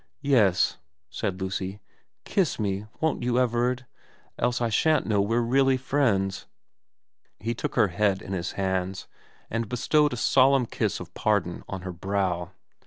' Yes,' said Lucy. ' Kiss me, won't you, Everard ? Else I shan't know we're really friends.' He took her head in his hands, and bestowed a solemn kiss of pardon on her brow.